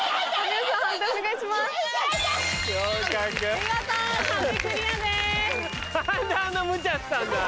見事壁クリアです。